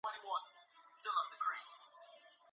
د فولیک اسید ګولۍ ولي ورکول کیږي؟